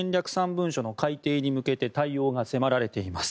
３文書の改定に向けて対応が迫られています。